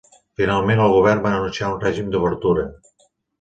Finalment, el govern va anunciar un règim d'obertura.